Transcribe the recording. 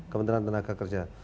kementerian tenaga kerja